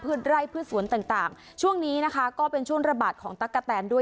ไร่พืชสวนต่างช่วงนี้นะคะก็เป็นช่วงระบาดของตั๊กกะแตนด้วย